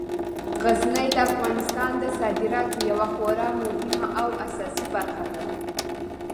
غزني د افغانستان د صادراتو یوه خورا مهمه او اساسي برخه ده.